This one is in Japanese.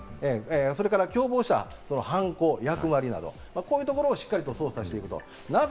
それから共謀した犯行、役割など、こういうところをしっかりと捜査していくと。